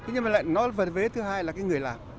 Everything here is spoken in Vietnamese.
nhưng mà lại nói về thứ hai là người làm